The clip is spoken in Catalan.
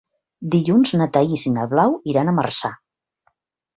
Dilluns na Thaís i na Blau iran a Marçà.